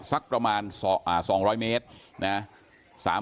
สักประมาณ๒๐๐เมตรนะ